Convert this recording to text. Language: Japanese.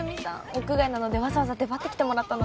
屋外なのでわざわざ出張ってきてもらったのに。